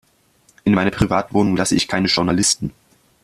In meine Privatwohnung lasse ich keine Journalisten.